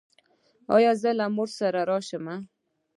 ایا زه له مور سره راشم؟